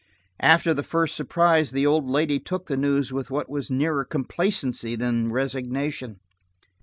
After the first surprise, the old lady took the news with what was nearer complacency than resignation.